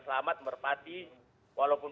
selamat merpati walaupun